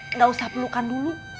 nggak usah pelukan dulu